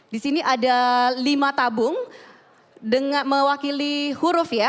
di sini ada lima tabung mewakili huruf ya